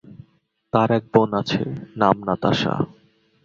তার এক বোন আছে নাম নাতাশা।